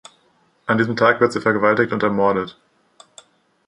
An diesem Tag wird sie vergewaltigt und ermordet.